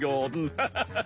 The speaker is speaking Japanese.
ハハハハ。